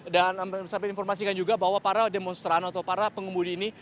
dan saya ingin informasikan juga bahwa para demonstran atau para pengemudi ini